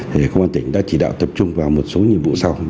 thì công an tỉnh đã chỉ đạo tập trung vào một số nhiệm vụ sau